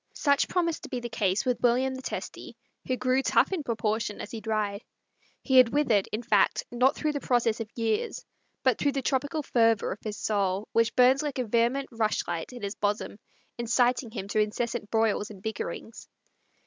Such promised to be the case with William the Testy, who grew tough in proportion as he dried. He had withered, in fact, not through the process of years, but through the tropical fervor of his soul, which burnt like a vehement rush light in his bosom, inciting him to incessant broils and bickerings.